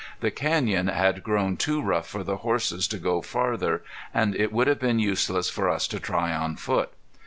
The canyon had grown too rough for the horses to go farther and it would have been useless for us to try on foot.